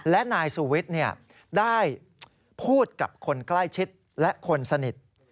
และนายสุวิทย์ได้พูดกับคนใกล้ชิดและคนสนิท